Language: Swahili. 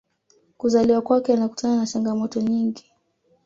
kuzaliwa kwake anakutana na changamoto nyingi